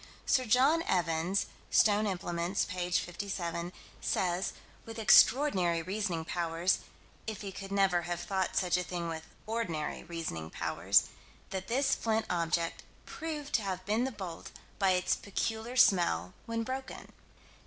Sir John Evans (Stone Implements, p. 57) says with extraordinary reasoning powers, if he could never have thought such a thing with ordinary reasoning powers that this flint object "proved to have been the bolt, by its peculiar smell when broken."